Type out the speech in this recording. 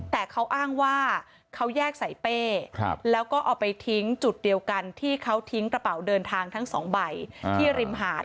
แต่เขาอ้างว่าเขาแยกใส่เป้แล้วก็เอาไปทิ้งจุดเดียวกันที่เขาทิ้งกระเป๋าเดินทางทั้งสองใบที่ริมหาด